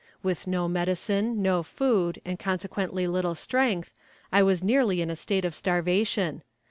With no medicine, no food, and consequently little strength; I was nearly in a state of starvation.